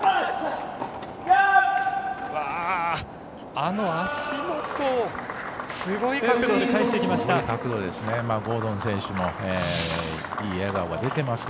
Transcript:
あの足元、すごい角度で返してきました。